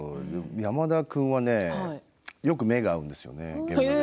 山田君はねよく目が合うんですよ、現場で。